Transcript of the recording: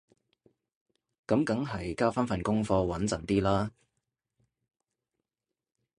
噉梗係交返份功課穩陣啲啦